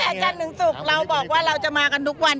หลังจากจันทร์๑สุขเราบอกว่าเราจะมากันทุกวัน